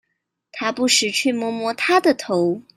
他不時去摸摸她的頭